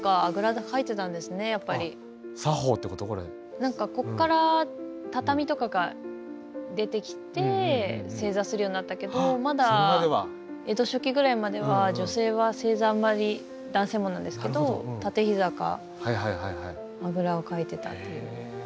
何かこっから畳とかが出てきて正座するようになったけどまだ江戸初期ぐらいまでは女性は正座あんまり男性もなんですけど立てひざかあぐらをかいてたっていう。